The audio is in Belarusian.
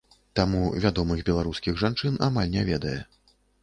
Таму вядомых беларускіх жанчын амаль не ведае.